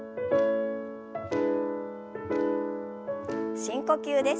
深呼吸です。